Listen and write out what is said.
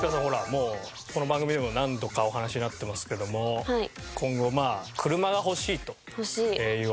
もうこの番組でも何度かお話しになってますけども今後車が欲しいというお話もありましたので。